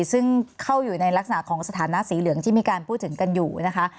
ซึ่งเข้าอยู่ในลักษณะของสถานะสีเหลืองที่มีการพูดถึงกันอยู่นะคะ